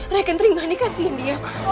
rai kan terima ini kasihan dia